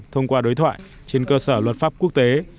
thông qua đối thoại trên cơ sở luật pháp quốc tế